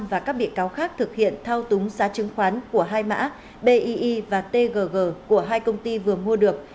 và các bị cáo khác thực hiện thao túng giá chứng khoán của hai mã bi và tgg của hai công ty vừa mua được